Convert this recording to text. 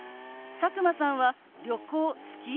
佐久間さんは旅行好き？